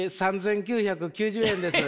３，９９０円です。